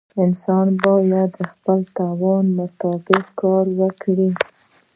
انسان باید د خپل توان مطابق کار وکړي.